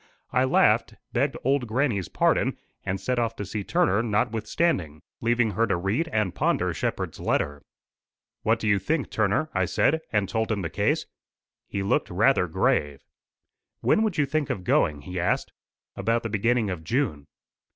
I laughed, begged old grannie's pardon, and set off to see Turner notwithstanding, leaving her to read and ponder Shepherd's letter. "What do you think, Turner?" I said, and told him the case. He looked rather grave. "When would you think of going?" he asked. "About the beginning of June."